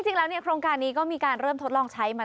จริงแล้วโครงการนี้ก็มีการเริ่มทดลองใช้มา